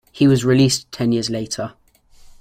He was released ten years later.